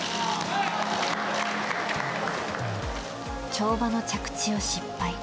跳馬の着地を失敗。